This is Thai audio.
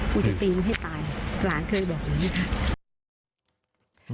มันจะตีมให้ตายหลานเคยบอกแบบนี้ค่ะ